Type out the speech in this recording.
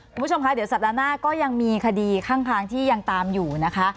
คุณผู้ชมคะเดี๋ยวสัปดาห์หน้าก็ยังมีคดีข้างทางที่ยังตามอยู่นะคะ